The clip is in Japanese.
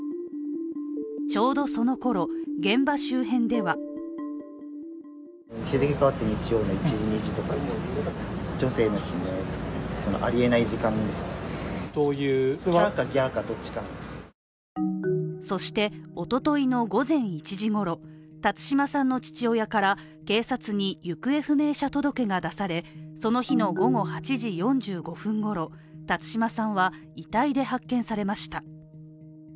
ちょうどそのころ、現場周辺ではそして、おとといの午前１時ごろ辰島さんの父親から警察に行方不明者届けが出され、その日の午後８時４５分ごろ、辰島さんは遺体で発見されました。